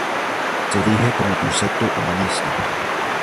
Se erige como concepto humanista.